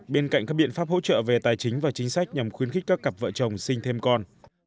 bên cạnh các biện pháp hỗ trợ về tài chính và chính sách nhằm khuyến khích các cặp vợ chồng sinh thêm con